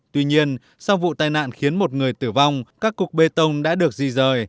tuy nhiên sau vụ tai nạn khiến một người tử vong các cục bê tông đã được di rời